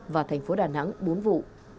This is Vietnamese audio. và thành phố đà nẵng bốn vụ